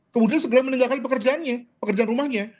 kemudian segera meninggalkan pekerjaannya pekerjaan rumahnya